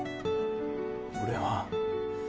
俺は。